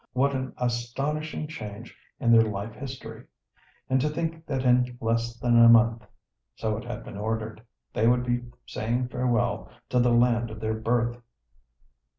What an astonishing change in their life history! And to think that in less than a month—so it had been ordered—they would be saying farewell to the land of their birth!